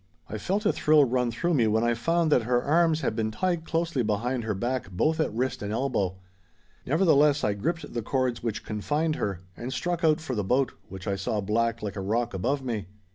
I felt a thrill run through me when I found that her arms had been tied closely behind her back both at wrist and elbow. Nevertheless, I gripped the cords which confined her, and struck out for the boat, which I saw black like a rock above me.